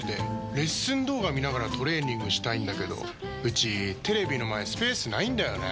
レッスン動画見ながらトレーニングしたいんだけどうちテレビの前スペースないんだよねー。